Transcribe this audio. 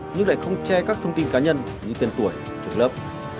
nhưng lại không che các thông tin cá nhân như tiền tuổi trường lớp